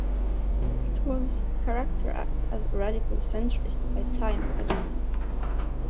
It was characterized as radical centrist by "Time" magazine.